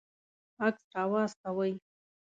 عکس راواستوئ